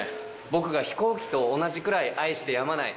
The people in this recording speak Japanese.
僕が飛行機と同じくらい愛してやまない。